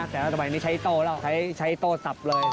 แต่ว่าสมัยนี้ใช้โต้แล้วใช้โต้สับเลย